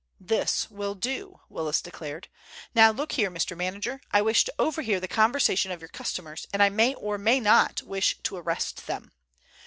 "This will do," Willis declared. "Now look here, Mr. Manager, I wish to overhear the conversation of your customers, and I may or may not wish to arrest them.